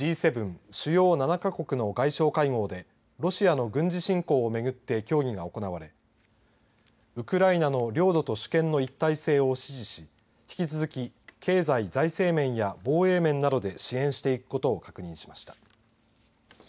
主要７か国首脳会議でロシアの軍事侵攻めぐって協議が行われウクライナの領土と主権の一体性を支持し引き続き経済財政面や防衛面などで支援していくことを確認しました。